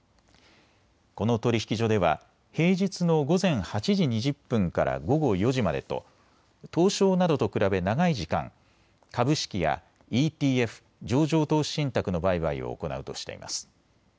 この取引所では平日の午前８時２０分から午後４時までと東証などと比べ長い時間、株式やＥＴＦ・上場投資信託の売買を行うとしています。